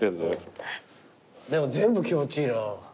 でも全部気持ちいいな。